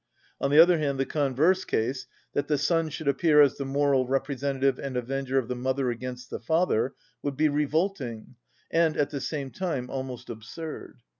On the other hand, the converse case, that the son should appear as the moral representative and avenger of the mother against the father, would be revolting and, at the same time, almost absurd.